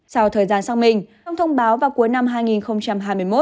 sau thời gian sang mình ông thông báo vào cuối năm hai nghìn hai mươi một